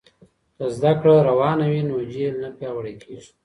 که زده کړه روانه وي نو جهل نه پیاوړی کېږي.